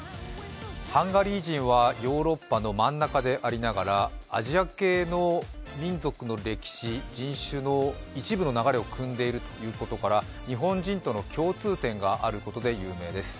ハンガリー人はヨーロッパの真ん中でありながらアジア系の民族の歴史、人種の一部の流れをくんでいるということから、日本人との共通点があることで有名です。